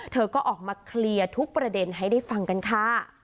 เธอก็ออกมาเคลียร์ทุกประเด็นให้ได้ฟังกันค่ะ